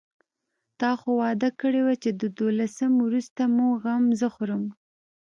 تا خو وعده کړې وه چې د دولسم وروسته مو غم زه خورم.